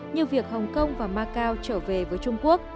như việc hồng kông và macau trở về với trung quốc